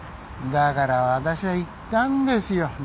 だから私は言ったんですよ。